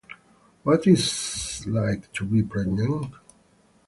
What is it like to be pregnant?